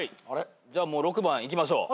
じゃあもう６番いきましょう。